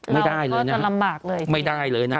ไม่ได้เลยนะไม่ได้เลยนะ